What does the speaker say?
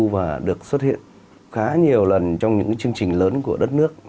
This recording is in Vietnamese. và được xuất hiện khá nhiều lần trong những chương trình lớn của đất nước